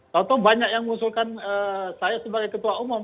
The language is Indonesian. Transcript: saya tahu banyak yang mengusulkan saya sebagai ketua umum